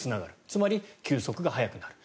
つまり、球速が速くなる。